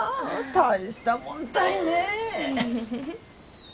大したもんたいね。